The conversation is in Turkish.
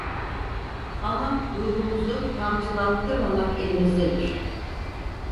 Ama ruhumuzu kamçılattırmamak elimizdedir.